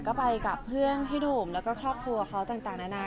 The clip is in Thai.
ก็ไปกับเพื่อนพี่หนุ่มแล้วก็ครอบครัวเขาต่างนานา